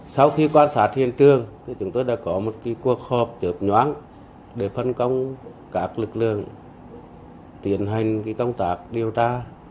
sau khi quan sát hiện trường chúng tôi đã có một cuộc họp chớp nhoáng để phân công các lực lượng tiến hành công tác điều tra